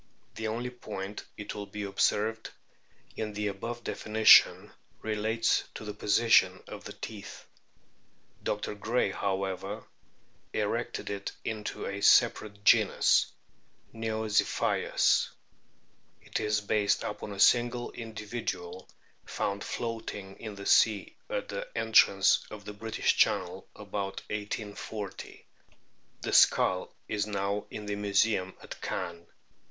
The only point, it will be observed, in the above definition relates to the position of the teeth. Dr. Gray, however, erected it into a separate genus, Neoziphius. It is based upon a single individual found floating in the sea at the entrance of the British Channel about 1840. The skull is now in the Museum at Caen.